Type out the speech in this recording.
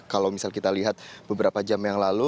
kalau misal kita lihat beberapa jam yang lalu